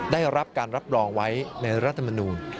ได้รับการรับรองไว้ในรัฐมนูล